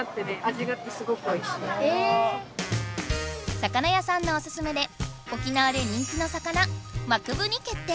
魚屋さんのおすすめで沖縄で人気の魚マクブに決定！